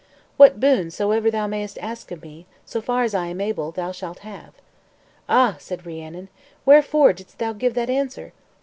"What boon soever thou mayest ask of me, so far as I am able, thou shalt have." "Ah!" said Rhiannon, "wherefore didst thou give that answer?"